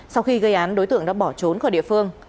sau khi gây án đối tượng đã bỏ trốn khỏi địa phương